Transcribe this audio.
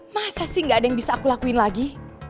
masa sih gak ada yang bisa aku lakuin lagi